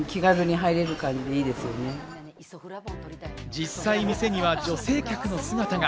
実際、店には女性客の姿が。